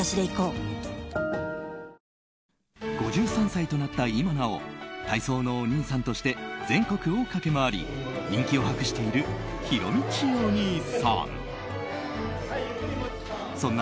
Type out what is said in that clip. ５３歳となった今なお体操のお兄さんとして全国を駆け回り人気を博しているひろみちお兄さん。